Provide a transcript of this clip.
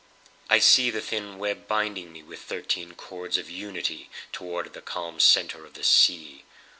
I see the thin web binding meWith thirteen cords of unityToward the calm centre of the sea.